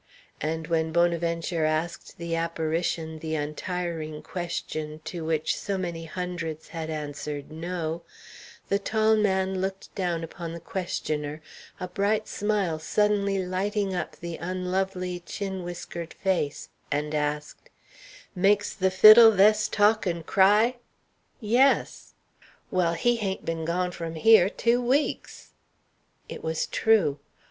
And when Bonaventure asked the apparition the untiring question to which so many hundreds had answered No, the tall man looked down upon the questioner, a bright smile suddenly lighting up the unlovely chin whiskered face, and asked: "Makes a fiddle thess talk an' cry?" "Yes." "Well, he hain't been gone from hyer two weeks." It was true.